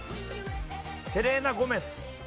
セレーナ・ゴメス。